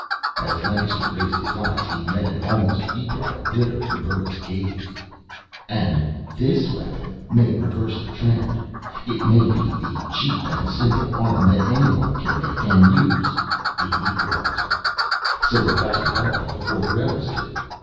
As Lancaster raised his eyes, he met an almost febrile glitter in Berg's gaze. "And this weapon may reverse the trend. It may be the cheap and simple arm that anyone can make and use the equalizer! So we've got to develop it before the rebels do.